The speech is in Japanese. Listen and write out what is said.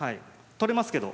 取れますけど。